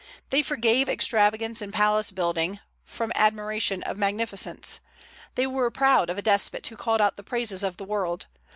They forgave extravagance in palace building, from admiration of magnificence. They were proud of a despot who called out the praises of the world.